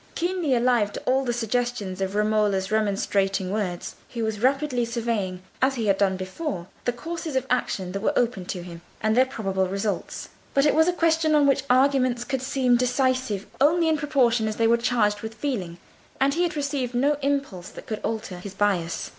Keenly alive to all the suggestions of Romola's remonstrating words, he was rapidly surveying, as he had done before, the courses of action that were open to him, and their probable results. But it was a question on which arguments could seem decisive only in proportion as they were charged with feeling, and he had received no impulse that could alter his bias.